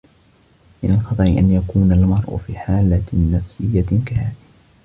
من الخطر أن يكون المرأ في حالة نفسيّة كهذه.